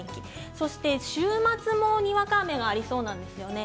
そして週末もにわか雨がありそうなんですね。